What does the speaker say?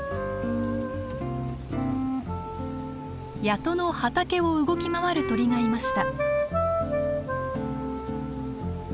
谷戸の畑を動き回る鳥がいました。